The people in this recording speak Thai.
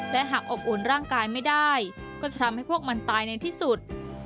และหากอบอุ่นร่างกายไม่ได้ก็จะทำให้พวกมันตายในที่สุด